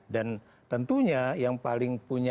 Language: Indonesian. dan tentunya yang paling penting adalah risma